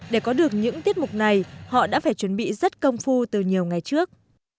để có được những tiết mục này họ đã phải chuẩn bị rất công phu từ nhiều ngày trước